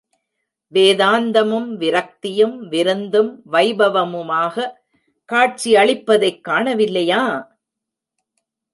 வேதாந்தமும் விரக்தியும், விருந்தும், வைபவமுமாகக் காட்சியளிப்பதைக் காணவில்லையா?